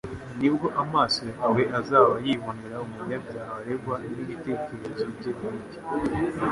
nibwo amaso yawe azaba yibonera" Umunyabyaha aregwa n'ibitekerezo bye bwite,